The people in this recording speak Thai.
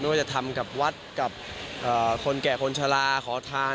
ว่าจะทำกับวัดกับคนแก่คนชะลาขอทาน